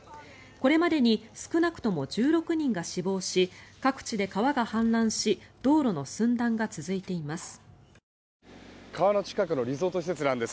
これまでに少なくとも１６人が死亡し各地で川が氾濫し道路の寸断が続いています。